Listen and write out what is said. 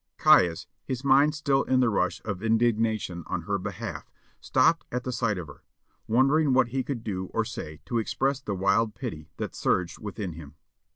Caius, his mind still in the rush of indignation on her behalf, stopped at the sight of her, wondering what he could do or say to express the wild pity that surged within him.